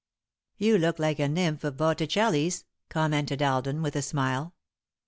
"You look like a nymph of Botticelli's," commented Alden, with a smile.